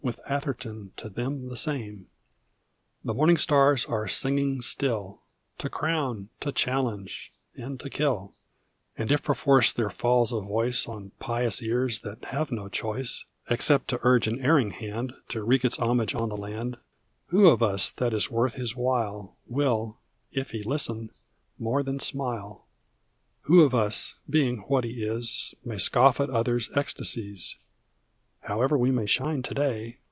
With Atherton to them the same. 11121 The morning stars are singing still, To crown, to challenge, and to kill; And if perforce there falls a voice On pious ears that have no choice Except to urge an erring hand To wreak its homage on the land, Who of us that is worth his while Will, if he listen, more than smile? Who of us, being what he is. May scoff at others' ecstasies ? However we may shine to day.